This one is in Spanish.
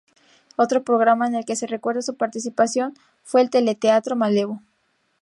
Otro programa en el que se recuerda su participación fue el teleteatro "Malevo".